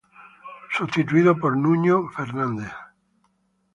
Fue sustituido por Nuño Fernández.